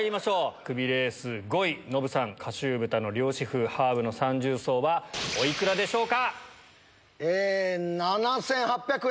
クビレース５位、ノブさん、花悠豚の漁師風ハーブの三重奏は、おいくらでしょうか。